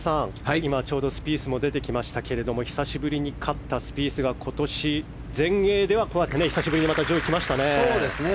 今、ちょうどスピースも出てきましたが久しぶりに勝ったスピースが今年、全英では久しぶりに上位にきましたね。